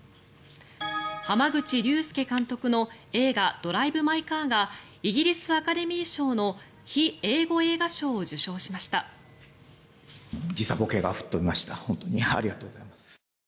濱口竜介監督の映画「ドライブ・マイ・カー」がイギリスアカデミー賞の非英語映画賞を受賞しました。